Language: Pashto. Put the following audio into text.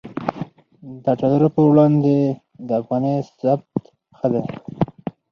د ډالر پر وړاندې د افغانۍ ثبات ښه دی